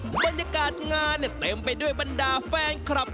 บรรยากาศงานเนี่ยเต็มไปด้วยบรรดาแฟนคลับ